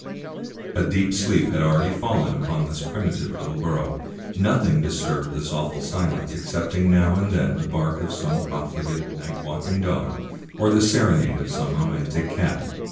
" A deep sleep had already fallen upon this primitive little burgh; nothing disturbed this awful silence excepting now and then the bark of some profligate, night walking dog, or the serenade of some rom.antic cat.